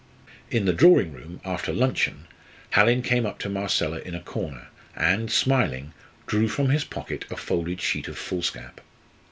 In the drawing room, after luncheon, Hallin came up to Marcella in a corner, and, smiling, drew from his pocket a folded sheet of foolscap.